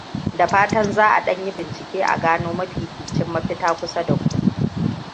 Da fatan za a ɗan yi bincike a gano mafificin mafita kusa da ku.